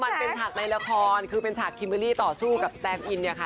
มันเป็นฉากในละครคือเป็นฉากคิมบารี่ต่อสู้กับแซมอินเนี่ยค่ะ